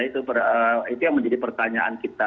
itu yang menjadi pertanyaan kita